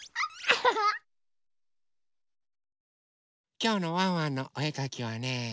きょうの「ワンワンのおえかき」はね